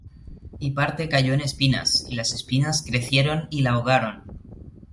Y parte cayó en espinas; y las espinas crecieron, y la ahogaron.